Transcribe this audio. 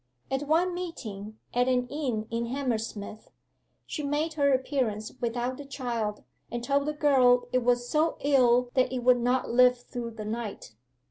At one meeting at an inn in Hammersmith she made her appearance without the child, and told the girl it was so ill that it would not live through the night.